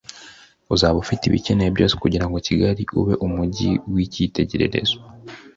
uzaba ufite ibikenewe byose kugira ngo Kigali ube umujyi w’icyitegererezo